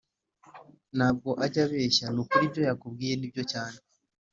Ntabwo ajya beshya nukuri ibyo yakubwiye nibyo cyane